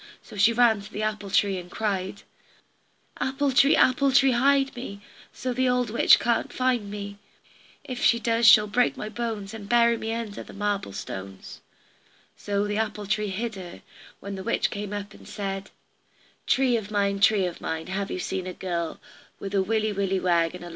So she ran to the apple tree and cried: "Apple tree, apple tree hide me, So the old witch can't find me; If she does she'll pick my bones, And bury me under the marble stones." So the apple tree hid her. When the witch came up she said: [Illustration: "Tree of mine, tree of mine, Have you seen a girl With a willy willy wag, and a long tailed bag, Who's stole my money, all I had?"